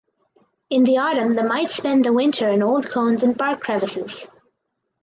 In the autumn the mites spend the winter in old cones and bark crevices.